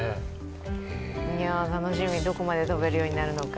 楽しみ、どこまで跳べるようになるのか。